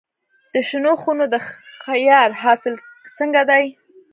د شنو خونو د خیار حاصل څنګه دی؟